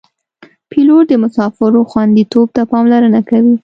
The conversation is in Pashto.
پیلوټ د مسافرو خوندیتوب ته پاملرنه کوي.